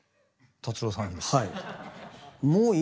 達郎さんにですか？